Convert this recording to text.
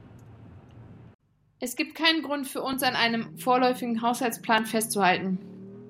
Es gibt keinen Grund für uns, an einem vorläufigen Haushaltsplan festzuhalten.